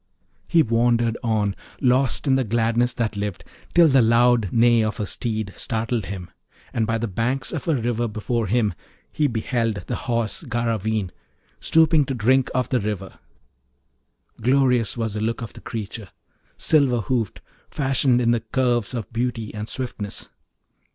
He wandered on, lost in the gladness that lived, till the loud neigh of a steed startled him, and by the banks of a river before him he beheld the Horse Garraveen stooping to drink of the river; glorious was the look of the creature, silver hoofed, fashioned in the curves of beauty and swiftness.